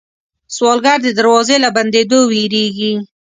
سوالګر د دروازې له بندېدو وېرېږي